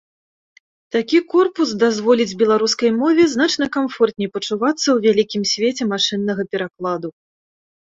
Такі корпус дазволіць беларускай мове значна камфортней пачувацца ў вялікім свеце машыннага перакладу.